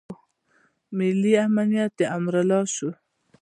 ملي امنیت د امرالله شو.